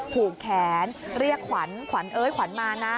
ผูกแขนเรียกขวัญขวัญเอ้ยขวัญมานะ